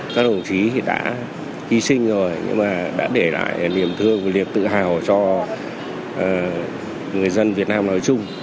các đồng chí đã hy sinh rồi nhưng mà đã để lại niềm thương và niềm tự hào cho người dân việt nam nói chung